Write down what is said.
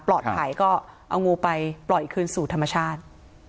ก็เอางูไปปล่อยคืนสู่ธรรมชาติ